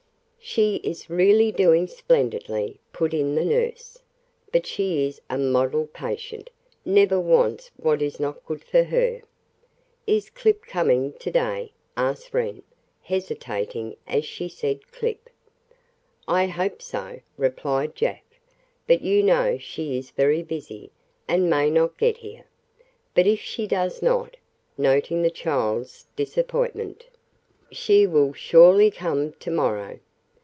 "She is really doing splendidly," put in the nurse. "But she is a model patient never wants what is not good for her." "Is Clip coming to day?" asked Wren, hesitating as she said "Clip." "I hope so," replied Jack, "but you know she is very busy, and may not get here. But if she does not" noting the child's disappointment "she will surely come to morrow.